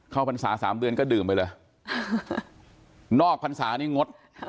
เข้าพันษาสามเดือนก็ดื่มไปเลยนอกพันษานี้งด